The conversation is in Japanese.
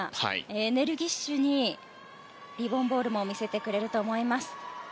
エネルギッシュにリボン・ボールも見せてくれると思います。